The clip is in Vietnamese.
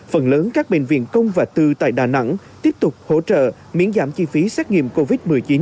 phần lớn các bệnh viện công và tư tại đà nẵng tiếp tục hỗ trợ miễn giảm chi phí xét nghiệm covid một mươi chín